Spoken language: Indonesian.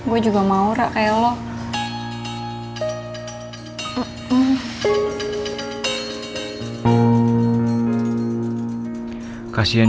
gue juga mau rara kayak lo